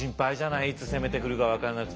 いつ攻めてくるか分かんなくて。